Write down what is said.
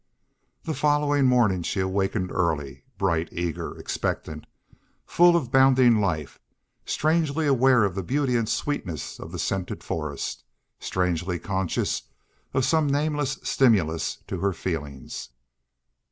The following morning she awakened early, bright, eager, expectant, full of bounding life, strangely aware of the beauty and sweetness of the scented forest, strangely conscious of some nameless stimulus to her feelings.